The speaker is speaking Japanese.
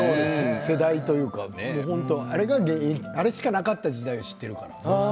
世代というかあれしかなかった時代を知っているから。